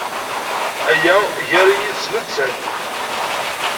Aya gar-i yid-s nettat.